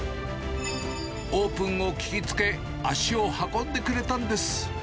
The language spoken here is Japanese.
オープンを聞きつけ、足を運んでくれたんです。